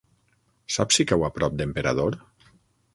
Saps si cau a prop d'Emperador?